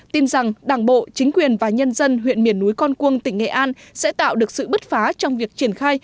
tin rằng đảng bộ chính quyền và nhân dân huyện miền núi con cuông tỉnh nghệ an sẽ tạo được sự bứt phá trong việc triển khai